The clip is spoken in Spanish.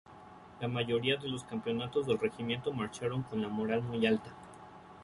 La mayoría de los componentes del regimiento marcharon con la moral muy alta.